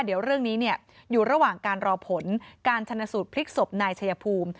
เดี๋ยวเรื่องนี้อยู่ระหว่างการรอผลการชนสูตรพลิกศพนายชายภูมิ